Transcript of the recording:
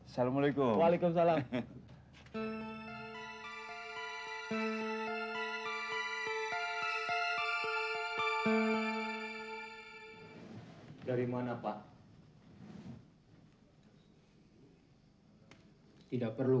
saya mengingat indonesian di masa lalu